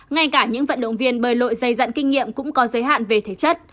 ngay cả những vận động viên bơi lội dày dặn kinh nghiệm cũng có giới hạn về thể chất